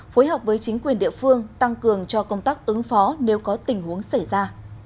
phối hợp với chính quyền địa phương tăng cường cho công tác ứng phó nếu có tình huống xảy ra